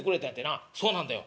「そうなんだよ。